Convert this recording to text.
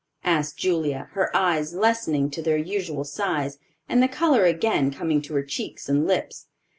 asked Julia, her eyes lessening to their usual size, and the color again coming to her cheeks and lips.